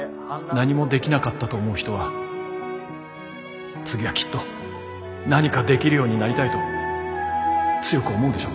何もできなかったと思う人は次はきっと何かできるようになりたいと強く思うでしょ？